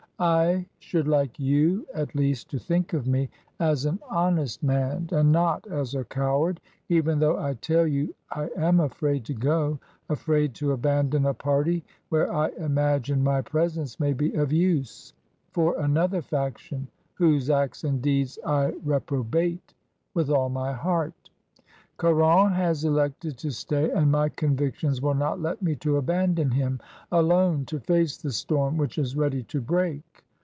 I should like youy at least, to think of me as an honest man, and not as a coward, even though I tell you I am afraid to go, afraid to abandon a party where I imagine my presence may be of use, for another faction whose acts and deeds I reprobate with all my heart. Caron has elected to stay, and my convictions will not let me abandon him, alone, to face the storm which is ready to break.